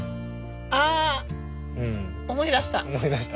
あ思い出した！